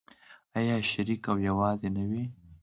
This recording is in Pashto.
آیا شریک او یوځای نه وي؟